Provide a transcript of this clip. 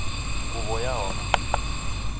Nguwo yaoma